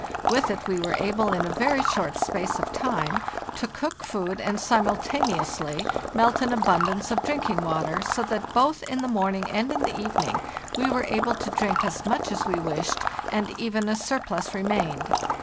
With it we were able, in a very short space of time, to cook food and simultaneously melt an abundance of drink ing water, so that both in the morning and in the evening we were able to drink as much as we wished, and even a surplus remained.